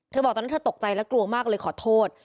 เธอตกใจและกลัวก็เลยขอโทษ